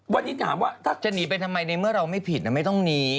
วันนี้ถามว่าถ้าจะหนีไปทำไมในเมื่อเราไม่ผิดไม่ต้องหนี